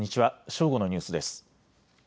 正午のニュースです。